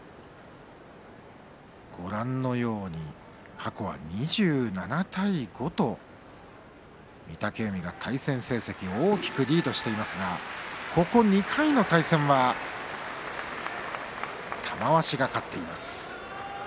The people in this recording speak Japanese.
過去は、２７対５と御嶽海が対戦成績で大きくリードしていますがここ２回の対戦は玉鷲が勝っています。